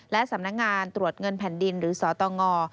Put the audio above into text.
และสำนักงานตรวจเงินแผ่นดินหรือสตง